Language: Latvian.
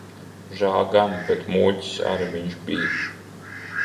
Žēl gan. Bet muļķis ar viņš bij.